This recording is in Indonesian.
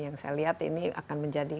yang saya lihat ini akan menjadi